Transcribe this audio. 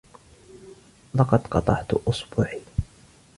لقد قطعت اصبعي.